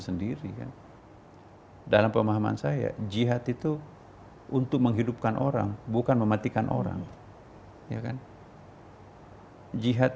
sendiri dalam pemahaman saya jihad itu untuk menghidupkan orang bukan mematikan orang jihad